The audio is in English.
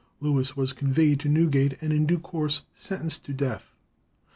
Lewis was conveyed to Newgate, and in due course sentenced to death.